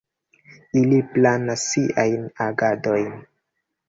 Ili planas siajn agadojn.